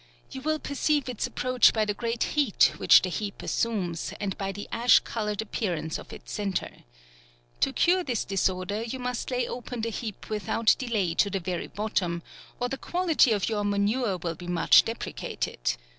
You will perceive its approach by the great heat which the heap assumes, and by the ash coloured appearance of its centre. To cure this disorder, you must lay open the heap with out delay to the very bottom, or the quality of your manure will be much depreciated.